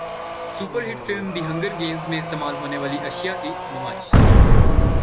super hit film the Hunger Games میں استعمال ہونیوالی اشیاء کی نمائش